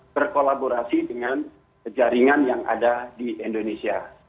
dan kolaborasi dengan jaringan yang ada di indonesia